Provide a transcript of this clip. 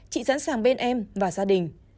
chị sẵn sàng bên em và gia đình